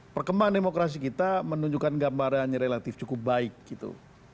perkembangan demokrasi kita menunjukkan gambarannya relatif cukup baik gitu